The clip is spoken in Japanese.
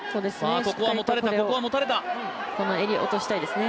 この襟、落としたいですね。